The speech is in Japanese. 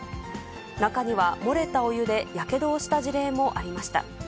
中には漏れたお湯でやけどをした事例もありました。